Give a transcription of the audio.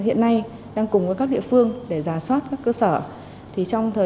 hiện nay đang cùng với các địa phương để giả soát các cơ sở